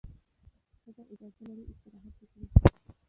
ښځه اجازه لري استراحت وکړي.